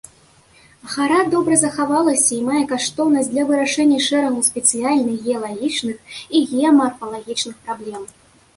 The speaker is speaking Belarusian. Гара добра захавалася і мае каштоўнасць для вырашэння шэрагу спецыяльных геалагічных і геамарфалагічных праблем.